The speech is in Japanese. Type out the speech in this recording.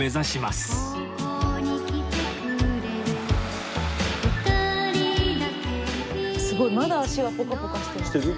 すごい！まだ足がポカポカしてます。